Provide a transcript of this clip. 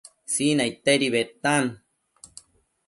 Sinaidtedi bedtan